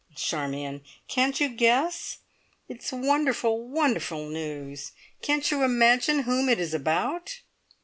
Charmion, can't you guess? It is wonderful, wonderful news. Can't you imagine whom it is about?